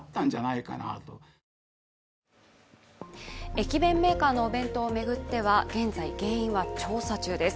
駅弁メーカーのお弁当を巡っては現在、原因は調査中です。